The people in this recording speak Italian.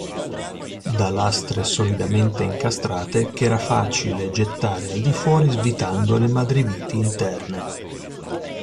Da lastre solidamente incastrate ch'era facile gettare al di fuori svitando le madreviti interne.